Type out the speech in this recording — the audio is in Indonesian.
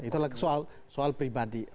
itu soal pribadi